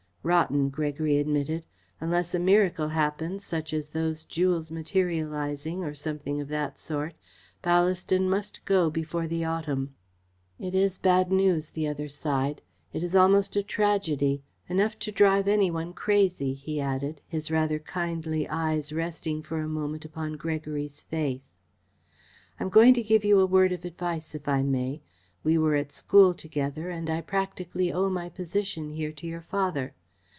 "Rotten," Gregory admitted. "Unless a miracle happens, such as those jewels materialising, or something of that sort, Ballaston must go before the autumn." "It is bad news," the other sighed. "It is almost a tragedy. Enough to drive any one crazy," he added, his rather kindly eyes resting for a moment upon Gregory's face. "I am going to give you a word of advice, if I may. We were at school together, and I practically owe my position here to your father.